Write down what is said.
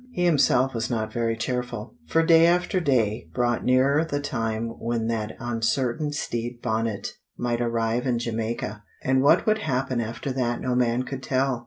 He himself was not very cheerful, for day after day brought nearer the time when that uncertain Stede Bonnet might arrive in Jamaica, and what would happen after that no man could tell.